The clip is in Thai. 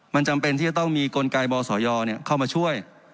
มันจำเป็นที่จะต้องมีกลไกบสยเข้ามาช่วย